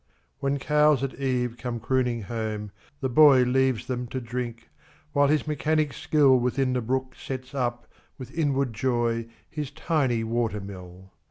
When cows at eve come crooning home, the boyLeaves them to drink, while his mechanic skillWithin the brook sets up, with inward joy, His tiny water mill.